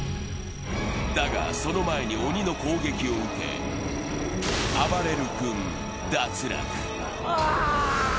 だが、その前に鬼の攻撃を受け、あばれる君、脱落。